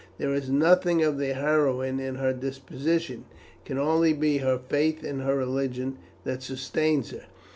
There is nothing of the heroine in her disposition; it can only be her Faith in her religion that sustains her.